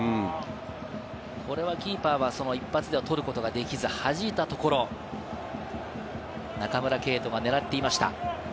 これはキーパーは一発では取ることはできず、弾いたところ、中村敬斗が狙っていました。